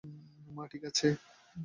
মা ঠিক আছে।